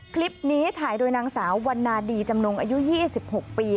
คลิปนี้ถ่ายโดยนางสาววันนาดีจำนงอายุ๒๖ปี